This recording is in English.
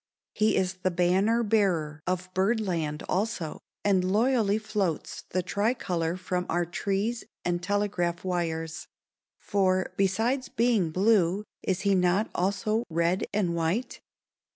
He is the banner bearer of bird land also, and loyally floats the tricolor from our trees and telegraph wires; for, besides being blue, is he not also red and white?